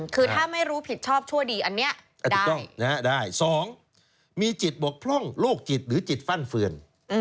คือถ้าไม่รู้ผิดชอบชั่วดีอันนี้ได้๒มีจิตบกพร่องโรคจิตหรือจิตฟั่นเฟือน